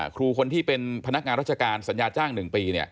ครูคนที่เป็นพนักงานราชการสัญญาจ้าง๑ปี